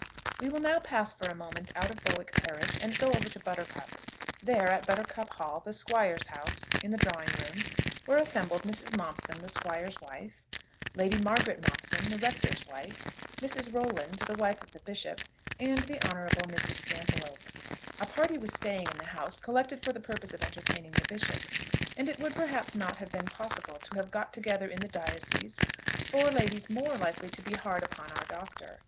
WE will now pass for a moment out of Bowick parish, and go over to Buttercup. There, at Buttercup Hall, the squire's house, in the drawing room, were assembled Mrs. Momson, the squire's wife; Lady Margaret Momson, the Rector's wife; Mrs. Rolland, the wife of the Bishop; and the Hon. Mrs. Stantiloup. A party was staying in the house, collected for the purpose of entertaining the Bishop; and it would perhaps not have been possible to have got together in the diocese, four ladies more likely to be hard upon our Doctor.